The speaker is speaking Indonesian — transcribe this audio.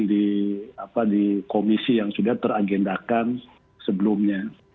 di komisi yang sudah teragendakan sebelumnya